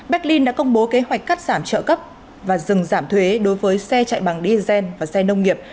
berlin đã công bố kế hoạch cắt giảm trợ cấp và dừng giảm thuế đối với xe chạy bằng diesel và xe nông nghiệp